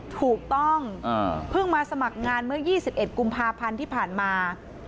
ถูกต้องอ่าเพิ่งมาสมัครงานเมื่อยี่สิบเอ็ดกุมภาพันธ์ที่ผ่านมา